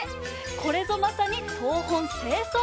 これぞまさに「東奔西走」。